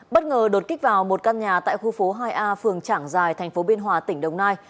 bất ngờ đột kích vào một căn nhà tại khu phố hai a phường trảng giài thành phố biên hòa tỉnh đồng nai